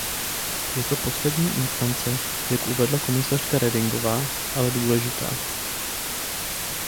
Je to poslední instance, jak uvedla komisařka Redingová, ale důležitá.